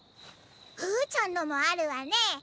ふーちゃんのもあるわね。